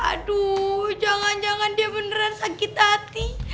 aduh jangan jangan dia beneran sakit hati